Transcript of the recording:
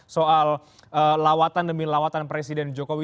soal lawatan demi lawatan presiden jokowi